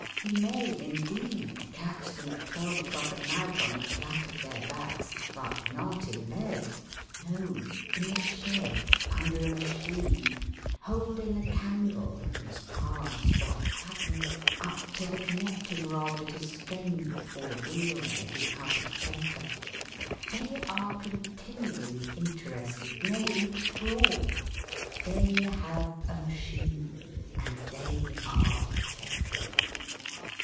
You may, indeed, catch them at twelve o'clock at night on the flat of their backs; but not in bed! No, in a shed, under a machine, holding a candle (whose paths drop fatness) up to the connecting rod that is strained, or the wheel that is out of centre. They are continually interested, nay, enthralled. They have a machine, and they are perfecting it.